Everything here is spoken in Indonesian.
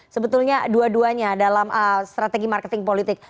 sebetulnya dua duanya dalam strategi marketing politik